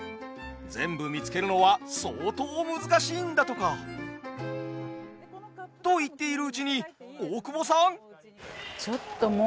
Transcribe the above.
全部見つけるのは相当難しいんだとか。と言っているうちに大久保さん！？